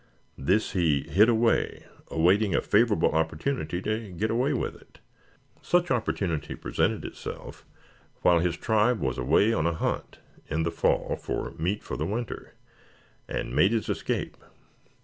This he hid away, awaiting a favorable opportunity to get away with it. Such opportunity presented itself while his tribe was away on a hunt in the fall for meat for the winter, and made his escape.